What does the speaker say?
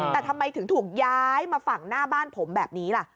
แต่ทำไมถึงถูกย้ายมาฝั่งหน้าบ้านผมแบบนี้ล่ะ